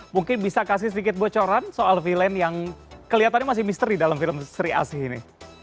mungkin bisa kasih sedikit bocoran soal villane yang kelihatannya masih misteri dalam film sri asih ini